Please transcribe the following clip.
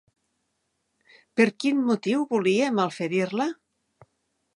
Per quin motiu volia malferir-la?